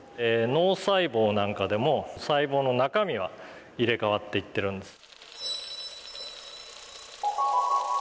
脳細胞なんかでも細胞の中身は入れ替わっていってるんです。